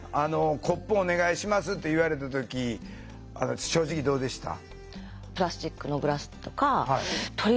コップお願いしますって言われた時正直どうでした？